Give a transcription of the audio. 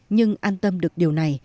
nhưng an tâm được điều này